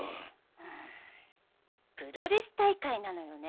うんプロレス大会なのよね？